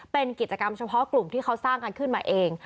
เป็นกิจกรรมเฉพาะกลุ่มที่เขาสร้างกันขึ้นมาเอง